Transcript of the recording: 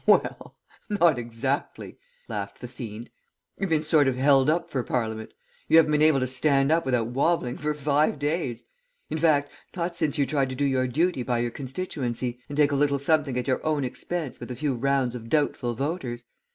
"'Well, not exactly' laughed the fiend. 'You've been sort of held up for Parliament; you haven't been able to stand up without wobbling for five days; in fact, not since you tried to do your duty by your constituency, and take a little something at your own expense with a few rounds of doubtful voters.